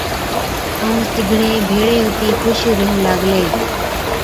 ائُون سِگڙين ڀيڙين هُتِي خُوش ريهُون لاگلين۔